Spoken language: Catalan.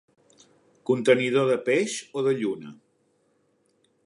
Contenidor de peix o de lluna.